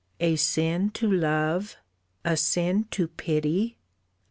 a sin to love! A sin to pity!